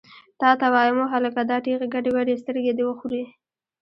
تا ته وایم، وهلکه! دا ټېغې ګډې وډې سترګې دې وخورې!